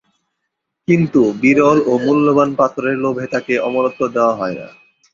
কিন্তু, বিরল ও মূল্যবান পাথরের লোভে তাকে অমরত্ব দেওয়া হয়না।